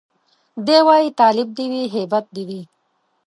دی وايي تالب دي وي هيبت دي وي